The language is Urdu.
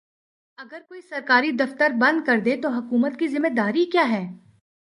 اگر کوئی سرکاری دفاتر بند کردے تو حکومت کی ذمہ داری کیا ہے؟